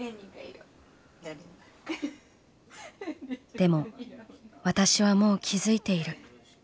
「でも私はもう気付いている。